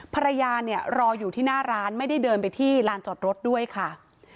ภรรยาเนี่ยรออยู่ที่หน้าร้านไม่ได้เดินไปที่ลานจอดรถด้วยค่ะ